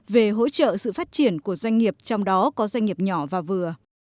về hỗ trợ sự phát triển của doanh nghiệp trong đó có doanh nghiệp nhỏ và vừa